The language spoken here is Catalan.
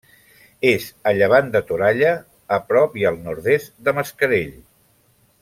És a llevant de Toralla, a prop i al nord-est de Mascarell.